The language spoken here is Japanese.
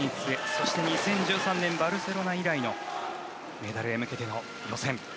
そして２０１３年バルセロナ以来のメダルへ向けての予選。